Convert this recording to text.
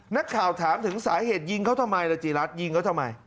นักข่าวถามถึงสาเหตุยิงเขาทำไมล่ะจีรัฐยิงเขาทำไม